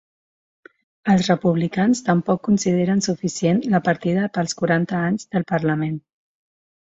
Els republicans tampoc consideren suficient la partida pels quaranta anys del parlament.